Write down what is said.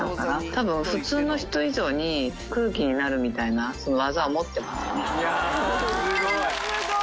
たぶん、普通の人以上に空気になるみたいな技を持ってますよね。